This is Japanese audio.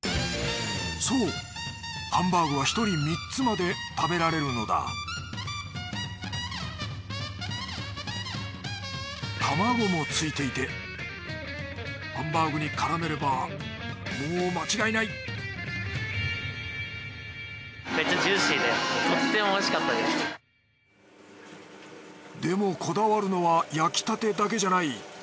そうハンバーグは１人３つまで食べられるのだ卵もついていてハンバーグに絡めればもう間違いないでもこだわるのは焼きたてだけじゃない。